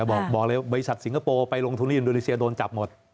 บอกเลยบริษัทสิงคโปร์ไปลงทุนที่อินโดนีเซียโดนจับหมด